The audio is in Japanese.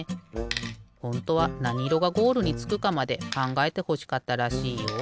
ほんとはなにいろがゴールにつくかまでかんがえてほしかったらしいよ。